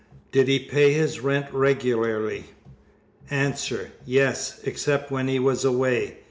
Did he pay his rent regularly? A. Yes, except when he was away.